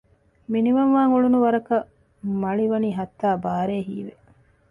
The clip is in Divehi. މިނިވަންވާން އުޅުނު ވަރަކަށް މަޅި ވަނީ ހައްތާ ބާރޭ ހީވެ